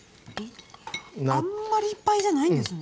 あんまりいっぱいじゃないんですね。